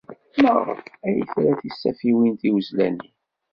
Maɣef ay tra tisafiwin tiwezlanin?